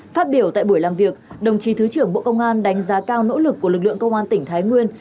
phát biểu tại buổi làm việc đồng chí thứ trưởng bộ công an đánh giá cao nỗ lực của lực lượng công an tỉnh thái nguyên